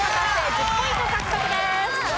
１０ポイント獲得です。